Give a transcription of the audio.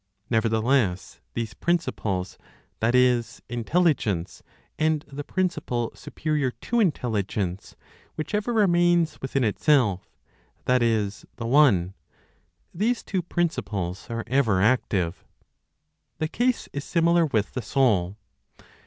Nevertheless these principles, that is, intelligence, and the principle superior to intelligence, which ever remains within itself (that is, the One), these two principles are ever active. The case is similar with the soul.